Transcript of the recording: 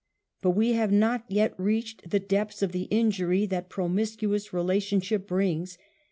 But we have not yet reached the depths of the injury that promiscuous relationship brings.